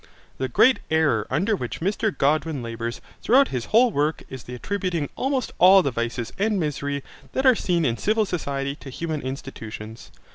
The great error under which Mr Godwin labours throughout his whole work is the attributing almost all the vices and misery that are seen in civil society to human institutions.